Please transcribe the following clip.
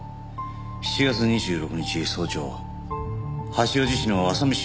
７月２６日早朝八王子市の浅美